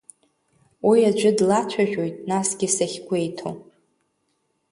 Уи аӡәы длацәажәоит, насгьы сахьгәеиҭо.